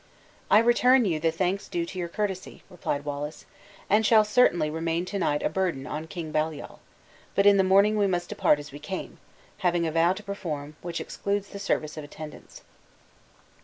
"I return you the thanks due to your courtesy," replied Wallace; "and shall certainly remain to night a burden on King Baliol; but in the morning we must depart as we came, having a vow to perform, which excludes the service of attendants."